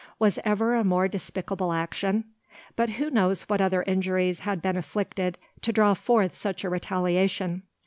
Was ever a more despicable action? But who knows what other injuries had been inflicted to draw forth such a retaliation?